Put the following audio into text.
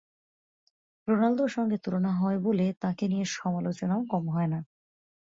রোনালদোর সঙ্গে তুলনা হয় বলে তাঁকে নিয়ে সমালোচনাও কম হয় না।